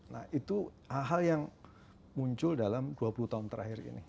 nah itu hal hal yang muncul dalam dua puluh tahun terakhir ini